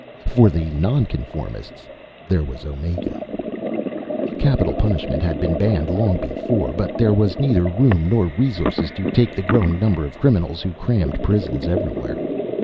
For the nonconformists, there was Omega. Capital punishment had been banished long before, but there was neither room nor resources to take the growing number of criminals who crammed prisons everywhere.